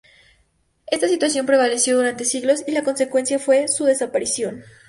Esta situación prevaleció durante siglos y la consecuencia fue su desaparición.